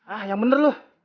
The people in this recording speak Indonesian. ah yang bener lo